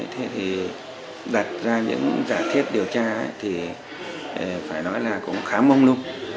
thế thì đặt ra những giả thiết điều tra thì phải nói là cũng khá mông lung